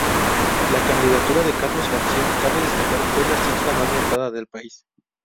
La candidatura de Carlos García, cabe destacar, fue la sexta más votada del país.